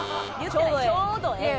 ちょうどええ。